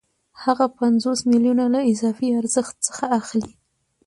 هغه پنځوس میلیونه له اضافي ارزښت څخه اخلي